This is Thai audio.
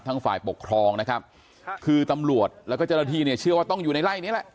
ฝ่ายปกครองนะครับคือตำรวจแล้วก็เจ้าหน้าที่เนี่ยเชื่อว่าต้องอยู่ในไล่นี้แหละ